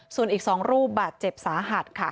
ส่วนอีกสองรูปเจ็บสาหัด